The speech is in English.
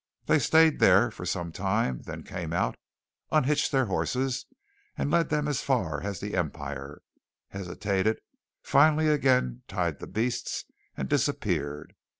They stayed there for some time, then came out, unhitched their horses, led them as far as the Empire, hesitated, finally again tied the beasts, and disappeared.